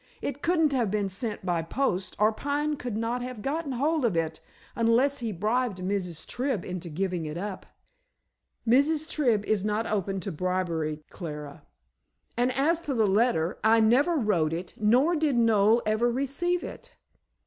"It couldn't have been sent by post, or Pine would not have got hold of it, unless he bribed Mrs. Tribb into giving it up." "Mrs. Tribb is not open to bribery, Clara. And as to the letter, I never wrote it, nor did Noel ever receive it."